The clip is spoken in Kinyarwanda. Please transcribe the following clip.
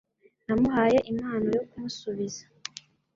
Namuhaye impano yo kumusubiza.